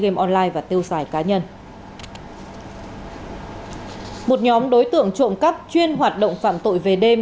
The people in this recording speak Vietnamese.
game online và tiêu xài cá nhân một nhóm đối tượng trộm cắp chuyên hoạt động phạm tội về đêm